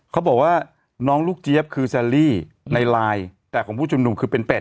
เขาบอกว่าน้องลูกเจี๊ยบคือแซรี่ในไลน์แต่ของผู้ชุมนุมคือเป็นเป็ด